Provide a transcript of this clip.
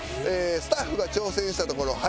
スタッフが挑戦したところ。